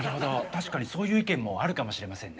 確かにそういう意見もあるかもしれませんね。